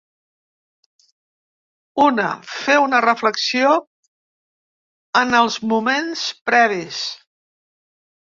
Una, fer una reflexió en els moments previs.